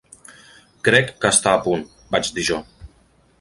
"Crec que està a punt", vaig dir jo.